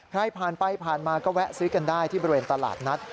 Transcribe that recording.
ใครผ่านไปผ่านมาก็แวะซื้อกันได้ที่บริเวณตลาดนัด